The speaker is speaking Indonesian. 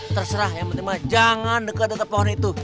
terserah yang penting banget jangan dekat dekat pohon itu